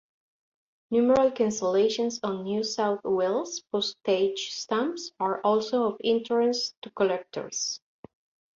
Numeral cancellations on New South Wales postage stamps are also of interest to collectors.